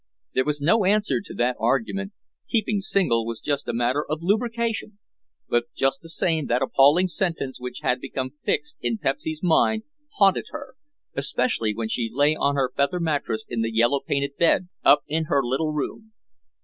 There was no answer to that argument; keeping single was just a matter of lubrication; but just the same that appalling sentence which had become fixed in Pepsy's mind, haunted her, especially when she lay on her feather mattress in the yellow painted bed up in her little room.